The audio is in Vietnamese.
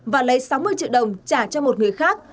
và lấy sáu mươi triệu đồng trả cho một người khác